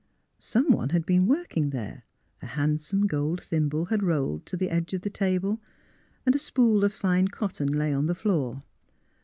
Someone had been working there, a handsome gold thimble had rolled to the edge of the table, and a spool of fine cotton lay on the floor.